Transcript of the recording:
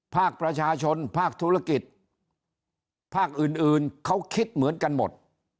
ภาคประชาชนภาคธุรกิจภาคอื่นเขาคิดเหมือนกันหมด